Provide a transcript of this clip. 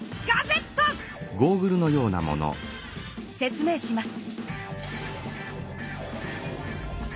説明します。